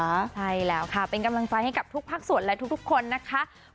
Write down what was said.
ใช่แล้วค่ะเป็นกำลังใจให้กับทุกภาคส่วนและทุกคนนะคะ